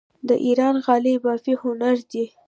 د ایران غالۍ بافي هنر دی.